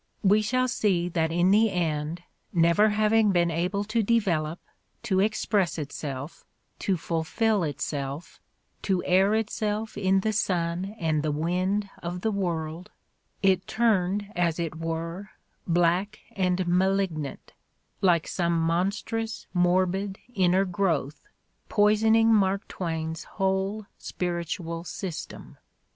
We shall see that in the end, never hav ing been able to develop, to express itself, to fulfill itself, to air itself in the sun and the wind of the world, it turned as it were black and malignant, like some mon strous, morbid inner growth, poisoning Mark Twain's whole spiritual system.